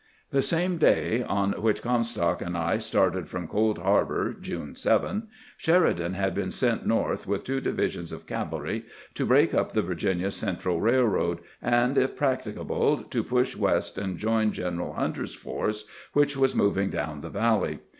The same day on which Comstock and I started from Cold Harbor (June 7), Sheridan had been sent north with two divisions of cavalry to break up the Virginia Central Railroad, and, if practicable, to push west and Join General Hunter's force, which was moving down the valley.